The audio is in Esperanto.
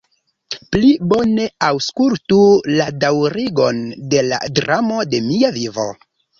Pli bone aŭskultu la daŭrigon de la dramo de mia vivo.